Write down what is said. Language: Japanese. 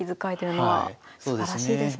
すばらしいですね。